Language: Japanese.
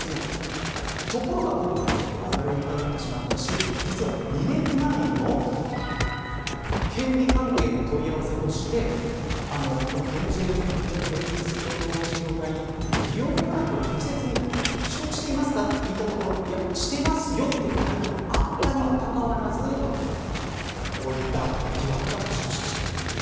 ところが今回のことが明るみになってしまったし実は２年前にも権利関係の問い合わせとしてＭＧＭ・オリックス共同事業体に利用許諾を適切に取得していますかと聞いたところしてますよ、という回答もあったにもかかわらずこういった疑惑が浮上してしまった。